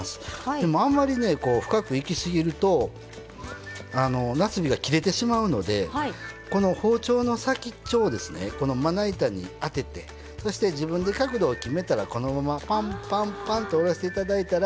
でも、あまり深くいき過ぎるとなすびが切れてしまうので包丁の先っちょをまな板に当てて自分で角度を決めたらこのまま、パンパンパンと下ろしていただいたら。